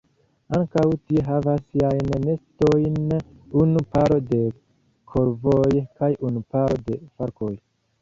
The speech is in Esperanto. Ankaŭ tie havas siajn nestojn unu paro de korvoj kaj unu paro de falkoj.